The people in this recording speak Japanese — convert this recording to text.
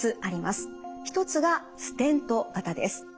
一つがステント型です。